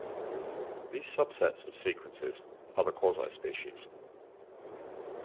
These subsets of sequences are the quasispecies.